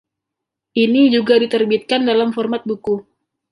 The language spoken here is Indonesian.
Ini juga diterbitkan dalam format buku.